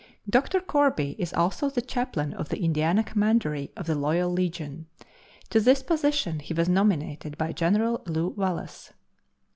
Dr. Corby is also the chaplain of the Indiana Commandery of the Loyal Legion. To this position he was nominated by General Lew Wallace.